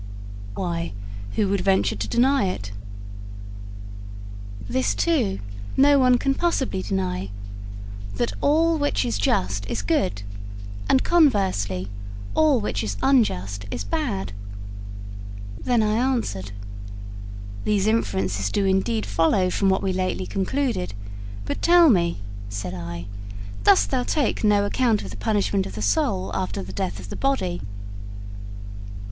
'Why, who would venture to deny it?' 'This, too, no one can possibly deny that all which is just is good, and, conversely, all which is unjust is bad.' Then I answered: 'These inferences do indeed follow from what we lately concluded; but tell me,' said I, 'dost thou take no account of the punishment of the soul after the death of the body?'